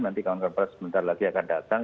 nanti kawan kawan pers sebentar lagi akan datang